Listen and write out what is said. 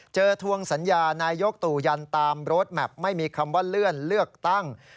ทวงสัญญานายกตู่ยันตามโรดแมพไม่มีคำว่าเลื่อนเลือกตั้ง